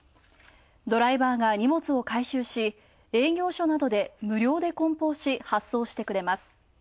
ドライバーが荷物を回収し、営業所などで無料でこん包し、発送してくれます。